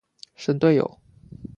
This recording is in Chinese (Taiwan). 神隊友